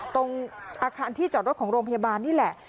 ตรงอาคารที่จอดรถของโรงพยาบาลนี่แหละ